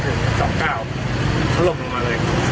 เห็นว่าประกันหมดด้วย